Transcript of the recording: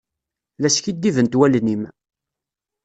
La skiddibent wallen-im.